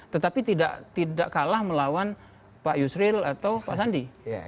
tetapi tidak kalah melawan pak yusril atau pak sandi